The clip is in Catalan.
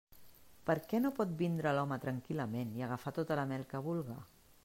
Per què no pot vindre l'home tranquil·lament i agafar tota la mel que vulga?